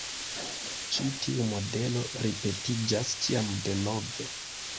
Ĉi tiu modelo ripetiĝas ĉiam denove.